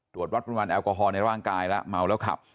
ตรวจวัดปริมาณแอลกอฮอลในร่างกายแล้วเมาแล้วขับ